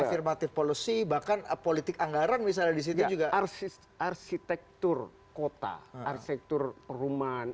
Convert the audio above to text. hai bahkan a politik anggaran misalnya disitu juga arsist arsitektur kota arsitektur perumahan